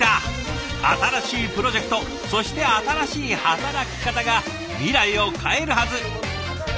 新しいプロジェクトそして新しい働き方が未来を変えるはず。